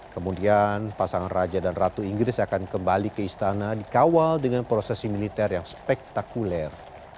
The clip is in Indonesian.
kemudian pasangan raja dan ratu inggris akan kembali ke istana dikawal dengan prosesi militer yang spektakuler